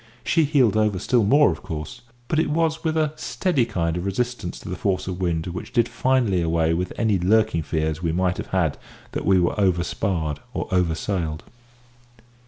She heeled over still more, of course, but it was with a steady kind of resistance to the force of the wind which did finally away with any lurking fears we might have had that we were over sparred or over sailed.